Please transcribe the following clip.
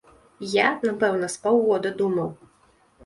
Я, напэўна, з паўгода думаў.